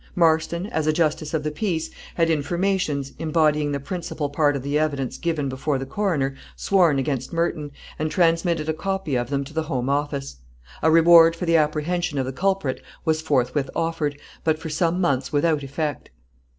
Marston, as a justice of the peace, had informations, embodying the principal part of the evidence given before the coroner, sworn against Merton, and transmitted a copy of them to the Home Office. A reward for the apprehension of the culprit was forthwith offered, but for some months without effect.